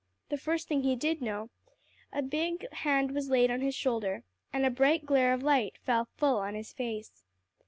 The first thing he did know, a big hand was laid on his shoulder, and a bright glare of light fell full on his face.